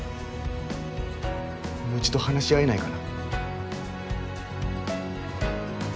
もう一度話し合えないかな？